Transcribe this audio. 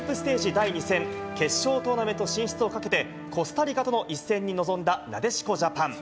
第２戦、決勝トーナメント進出をかけて、コスタリカとの一戦に臨んだ、なでしこジャパン。